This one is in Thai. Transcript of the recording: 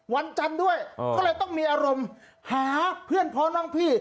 วันจันทร์ด้วยก็เลยต้องมีอารมณ์หาเพื่อนพ่อน้องพี่